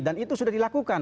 dan itu sudah dilakukan